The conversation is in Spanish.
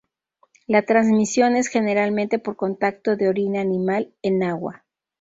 La transmisión es generalmente por contacto de orina animal en agua.